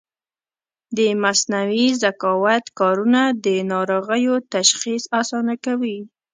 د مصنوعي ذکاوت کارونه د ناروغیو تشخیص اسانه کوي.